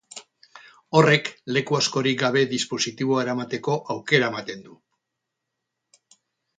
Horrek leku askorik gabe dispositiboa eramateko aukera ematen du.